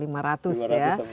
lima ratus sampai tiga ratus